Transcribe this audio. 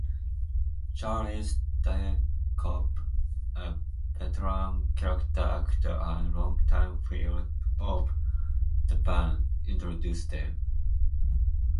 Charles Dierkop, a veteran character actor and longtime friend of the band, introduced them.